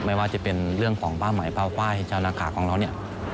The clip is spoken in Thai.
ไม่ว่าจะเป็นเรื่องของภาพไหมภาพไฟชาวนาขาของเรา